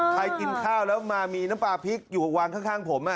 กินข้าวแล้วมามีน้ำปลาพริกอยู่วางข้างผม